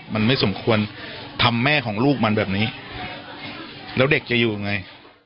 มันไม่สมควรทำแม่ของลูกมันแบบนี้แล้วเด็กจะอยู่ยังไง